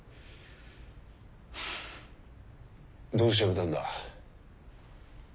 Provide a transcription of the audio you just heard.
どうして辞めたんだ？